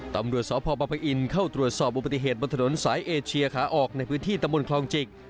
ตำรวจสพบอินเข้าตรวจสอบอุบัติเหตุบนถนนสายเอเชียขาออกในพื้นที่ตำบลคลองจิก